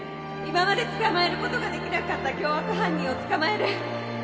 今まで捕まえることができなかった凶悪犯人を捕まえる